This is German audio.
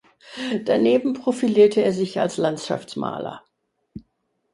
Daneben profilierte er sich als Landschaftsmaler.